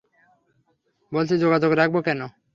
বলছি, যোগাযোগ রাখব কেন?